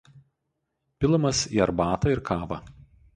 Pilamas į arbatą ir kavą.